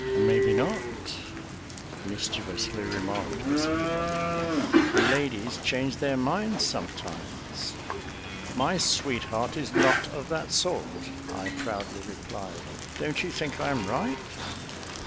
" Maybe not," mischievously remarked Miss Eva ;" ladies change their minds sometimes." " My sweetheart is not of that sort," I proudly replied. Don't you think I am right?